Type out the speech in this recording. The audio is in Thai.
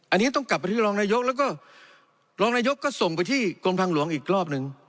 อันนี้ต้องกลับไปที่รองนายกแล้วก็รองนายกก็ส่งไปที่กรมทางหลวงอีกรอบหนึ่ง